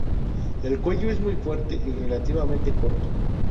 El cuello es muy fuerte y relativamente corto.